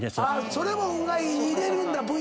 それも「運がいい」に入れるんだ⁉